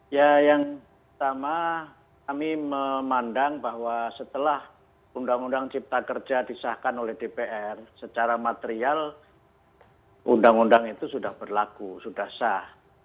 ya yang pertama kami memandang bahwa setelah undang undang cipta kerja disahkan oleh dpr secara material undang undang itu sudah berlaku sudah sah